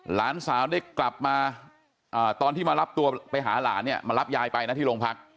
หลานสาวได้กลับมาตอนที่มารับตัวไปหาหลานเนี่ยมารับยายไปนะที่โรงพัก